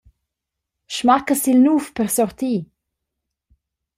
Smacca sil nuv per sortir!